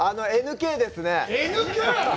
ＮＫですね。